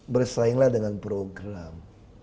bersainglah dengan program